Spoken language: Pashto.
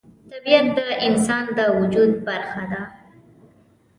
طبیعت د انسان د وجود برخه ده.